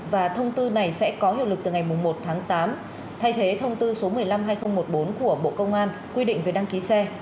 và thông tư này sẽ có hiệu lực từ ngày một tháng tám thay thế thông tư số một mươi năm hai nghìn một mươi bốn của bộ công an quy định về đăng ký xe